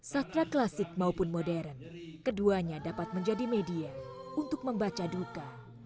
satra klasik maupun modern keduanya dapat menjadi media untuk membaca duka